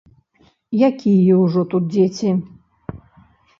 Якія ўжо тут дзеці?